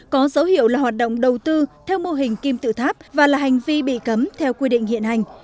có dấu hiệu là hoạt động đầu tư theo mô hình kim tự tháp và là hành vi bị cấm theo quy định hiện hành